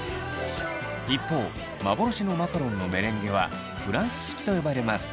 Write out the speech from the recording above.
一方幻のマカロンのメレンゲはフランス式と呼ばれます。